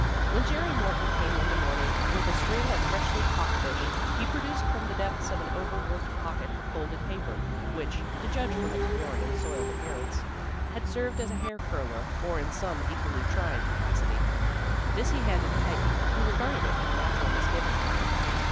When Jerry Morton came in the morning with a string of freshly caught fish, he produced from the depths of an over worked pocket a folded paper, which, to judge from its worn and soiled appearance, had served as a hair curler or in some equally trying capacity. This he handed to Peggy, who regarded it with natural misgiving.